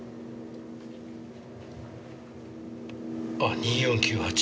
あっ２４９８。